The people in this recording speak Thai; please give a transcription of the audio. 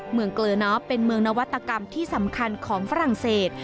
เกลอน้อเป็นเมืองนวัตกรรมที่สำคัญของฝรั่งเศส